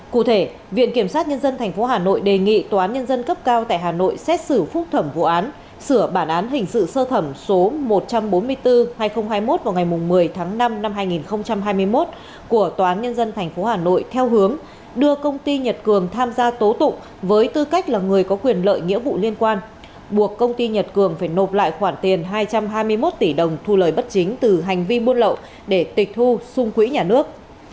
cụ thể viện kiểm sát nhân dân tp hà nội đề nghị tòa án nhân dân cấp cao tại hà nội xét xử phúc thẩm vụ án sửa bản án hình sự sơ thẩm số một trăm bốn mươi bốn hai nghìn hai mươi một vào ngày một mươi tháng năm năm hai nghìn hai mươi một của tòa án nhân dân tp hà nội theo hướng đưa công ty nhật cường tham gia tố tụng với tư cách là người có quyền lợi nghĩa vụ liên quan buộc công ty nhật cường phải nộp lại khoản tiền hai trăm hai mươi một tỷ đồng thu lời bất chính từ hành vi buôn lậu để tịch thu xung quỹ nhà nước